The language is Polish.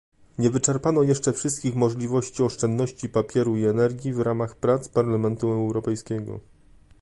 Nie wyczerpano jeszcze wszystkich możliwości oszczędności papieru i energii w ramach prac Parlamentu Europejskiego